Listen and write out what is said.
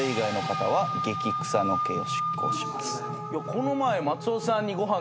この前。